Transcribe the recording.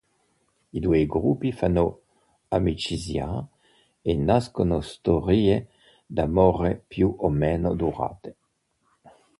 I due gruppi fanno amicizia e nascono storie d'amore più o meno durature.